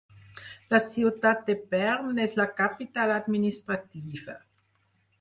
La ciutat de Perm n'és la capital administrativa.